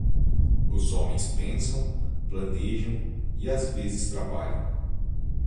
Os homens pensam, planejam e às vezes trabalham.